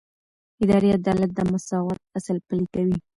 اداري عدالت د مساوات اصل پلي کوي.